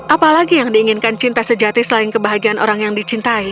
apalagi yang diinginkan cinta sejati selain kebahagiaan orang yang dicintai